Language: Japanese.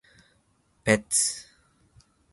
ペット